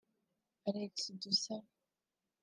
Alex Dusabe